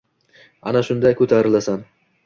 Ana shunda — ko‘tarilasan!»